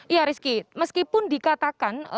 iya rizky meskipun dikatakan